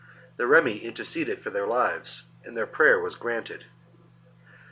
The Remi interceded for their lives ; and their prayer was granted.